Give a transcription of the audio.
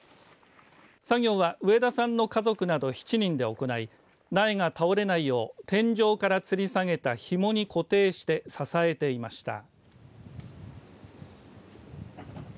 作業は上田さんの家族など７人で行い苗が倒れないよう天井からつり下げたひもに固定して支えていました。